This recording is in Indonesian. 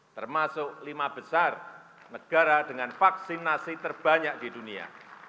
termasuk lima besar negara dengan vaksinasi terbanyak di dunia